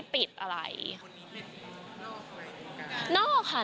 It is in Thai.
คนนี้เล่นนอกไหนนอกวงการ